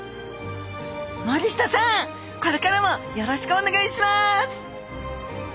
森下さんこれからもよろしくお願いします